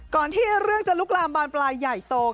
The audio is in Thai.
ก่อนที่เรื่องจะลุกลามบานปลายใหญ่โต